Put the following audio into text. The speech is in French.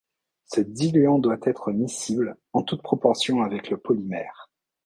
Ce diluant doit être miscible en toutes proportions avec le polymère.